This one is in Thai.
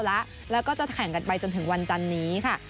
แล้วก็จะแข่งกันไปจนถึงวันจันนี้ค่ะ